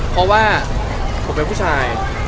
เพราะว่าผมเป็นผู้ชาย